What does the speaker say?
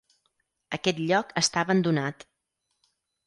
Aquest lloc està abandonat.